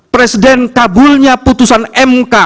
presiden kabulnya putusan mk